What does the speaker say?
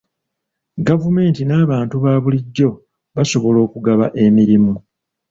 Gavumenti n'abantu ba bulijjo basobola okugaba emirimu.